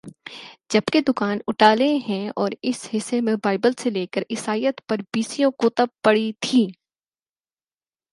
جبکہ دکان اٹالین ہے اور اس حصہ میں بائبل سے لیکر عیسائیت پر بیسیوں کتب پڑی تھیں